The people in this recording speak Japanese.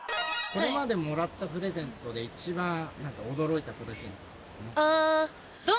これまでもらったプレゼントで一番驚いたプレゼント。